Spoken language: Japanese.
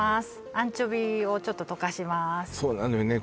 アンチョビをちょっと溶かしますそうなのよね